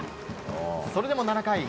それでも７回。